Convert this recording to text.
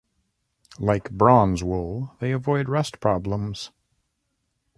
Like bronze wool, they avoid rust problems.